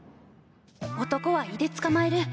男は胃でつかまえる。